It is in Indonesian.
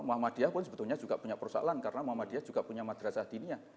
muhammadiyah pun sebetulnya juga punya persoalan karena muhammadiyah juga punya madrasah dinia